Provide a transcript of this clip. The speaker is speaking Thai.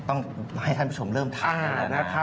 ต้องให้ท่านผู้ชมเริ่มทักดูแล้วนะ